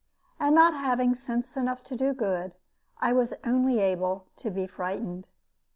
And not having sense enough to do good, I was only able to be frightened.